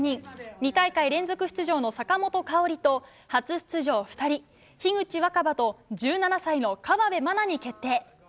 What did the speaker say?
２大会連続出場の坂本花織と初出場２人、樋口新葉と１７歳の河辺愛菜に決定。